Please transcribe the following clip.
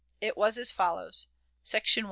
It was as follows: "SECTION 1.